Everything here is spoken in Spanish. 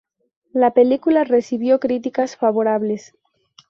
La película recibió críticas favorables.